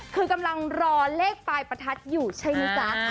คือกำลังรอเลขปลายประทัดอยู่ใช่ไหมจ๊ะ